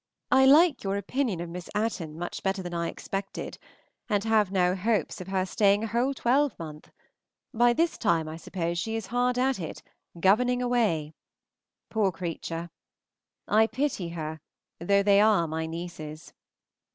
I like your opinion of Miss Atten much better than I expected, and have now hopes of her staying a whole twelvemonth. By this time I suppose she is hard at it, governing away. Poor creature! I pity her, though they are my nieces.